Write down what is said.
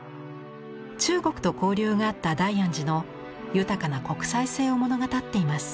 中国と交流があった大安寺の豊かな国際性を物語っています。